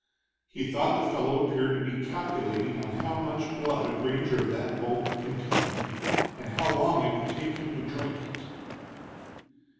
He thought the fellow appeared to be calculating on how much blood a granger of that bulk contained, and how long it would take him to drink it.